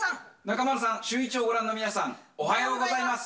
中丸さん、シューイチをご覧の皆さん、おはようございます。